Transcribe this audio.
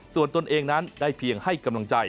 ส่วนตนเองนั้นได้เพียงให้กำลังใจ